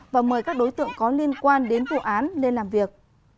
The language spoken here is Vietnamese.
và mời các đối tượng có liên quan đến vụ án lên làm việc